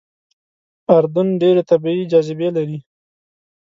اردن ډېرې طبیعي جاذبې لري.